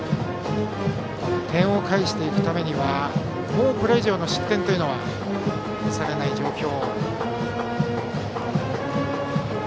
点を返していくためにはもうこれ以上の失点は許されない状況。